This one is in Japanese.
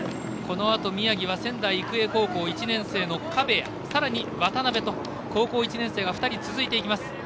このあと宮城は仙台育英高校１年生の壁谷など、高校１年生が２人続いていきます。